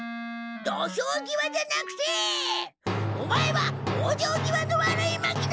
土俵際じゃなくてオマエは往生際の悪い牧之介だ！